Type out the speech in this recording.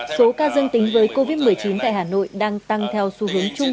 số ca dương tính với covid một mươi chín tại hà nội đang tăng theo xu hướng chung